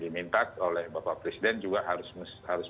diminta oleh bapak presiden juga harus